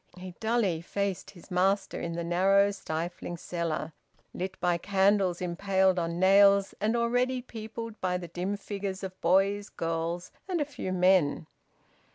He dully faced his master in the narrow stifling cellar, lit by candles impaled on nails and already peopled by the dim figures of boys, girls, and a few men.